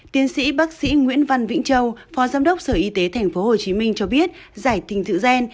tiến sĩ bác sĩ nguyễn văn vĩnh châu phó giám đốc sở y tế tp hcm cho biết giải kình tự gen